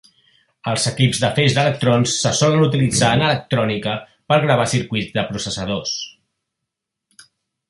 Els equips de feix d'electrons se solen utilitzar en electrònica per gravar circuits de microprocessadors.